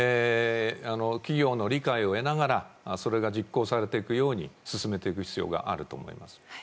企業の理解を得ながらそれが実行されていくように進めていく必要があると思います。